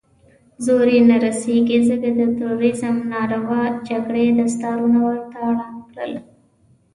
زور يې نه رسېږي، ځکه د تروريزم ناروا جګړې دستارونه ورته ړنګ کړل.